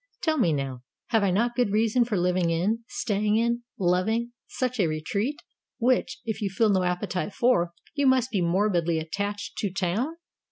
Tell me, now, have I not good reason for living in, staying in, loving, such a retreat, which, if you feel no appetite for, you must be morbidly attached to town?